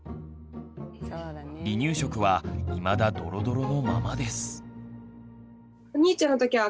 離乳食はいまだドロドロのままです。